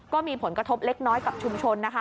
ก็มีผลกระทบเล็กน้อยกับชุมชนนะคะ